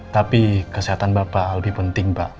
tapi kesehatan bapak lebih penting pak